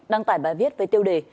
đăng tải bài viết với tiêu đề